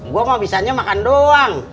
gua mau bisanya makan doang